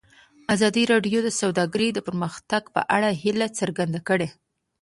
ازادي راډیو د سوداګري د پرمختګ په اړه هیله څرګنده کړې.